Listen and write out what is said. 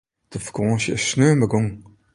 De fakânsje is sneon begûn.